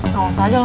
gak usah aja loh